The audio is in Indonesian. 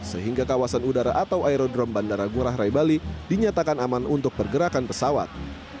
sehingga kawasan udara atau aerodrome bandara ngurah rai bali dinyatakan aman untuk pergerakan pesawat